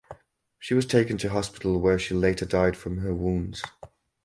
She was taken to hospital where she later died from her wounds.